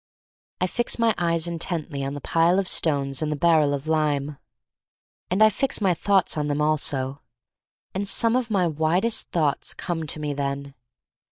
I fix my eyes intently on the Pile of Stones and the Barrel of Lime. And I fix my thoughts on them also. And 256 THE STORY OF ^xARY MAC LANE some of my widest thoughts come to me then.